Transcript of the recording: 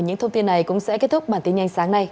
những thông tin này cũng sẽ kết thúc bản tin nhanh sáng nay